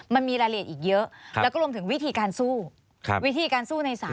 มันมีรายละเอียดอีกเยอะแล้วก็รวมถึงวิธีการสู้วิธีการสู้ในศาล